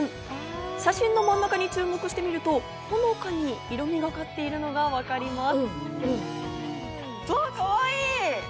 写真の真ん中に注目してみると、ほのかに色味がかっているのがわかります。